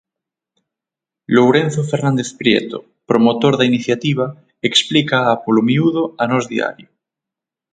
Lourenzo Fernández Prieto, promotor da iniciativa, explícaa polo miúdo a Nós Diario.